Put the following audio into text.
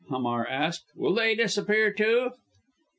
Hamar asked. "Will they disappear too?"